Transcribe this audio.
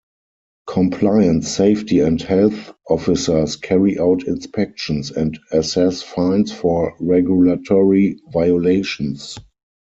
Compliance Safety and Health Officers carry out inspections and assess fines for regulatory violations.